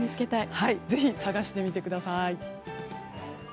ぜひ、探してみてください。